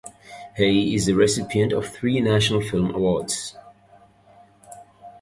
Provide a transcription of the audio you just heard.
He is the recipient of three National Film Awards.